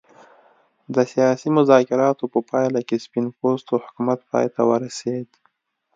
د سیاسي مذاکراتو په پایله کې سپین پوستو حکومت پای ته ورسېد.